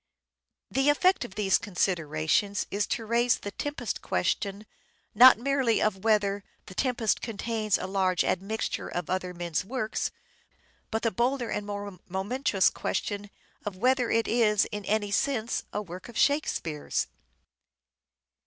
The effect of these considerations is to raise the The Tempest question, not merely of whether " The Tempest " Problem contains a large admixture of other men's work, but the bolder and more momentous question of whether it is, in any sense, a work of Shakespeare's.